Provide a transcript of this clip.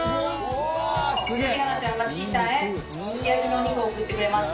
鈴木奈々ちゃんがちーたんへすき焼きのお肉を贈ってくれました。